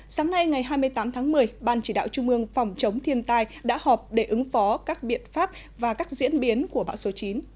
sáng nay ngày hai mươi tám tháng một mươi ban chỉ đạo trung ương phòng chống thiên tai đã họp để ứng phó các biện pháp và các diễn biến của bão số chín